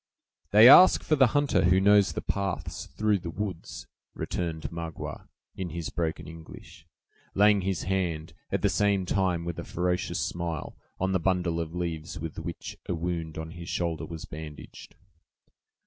"They ask for the hunter who knows the paths through the woods," returned Magua, in his broken English, laying his hand, at the same time, with a ferocious smile, on the bundle of leaves with which a wound on his own shoulder was bandaged.